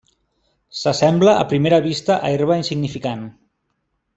S'assembla a primera vista a herba insignificant.